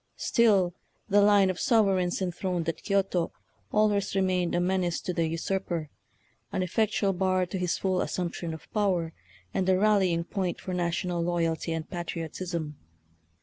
Still the line of sovereigns enthroned at Kioto always remained a menace to the usurper, an effectual bar to his full as sumption of power, and a rallying point for national loyalty and patriotism.